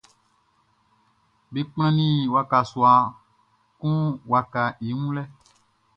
Be kplannin waka sua kun wakaʼn i wun lɛ.